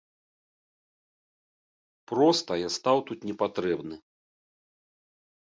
Проста я тут стаў не патрэбны.